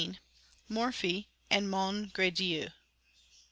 MORPHY AND MONGREDIEU.